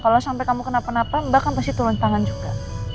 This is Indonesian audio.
kalau sampai kamu kenapa napa mbak kan pasti turun tangan juga